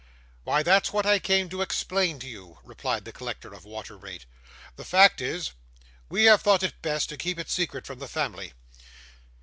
'Why, that's what I came to explain to you,' replied the collector of water rate. 'The fact is, we have thought it best to keep it secret from the family.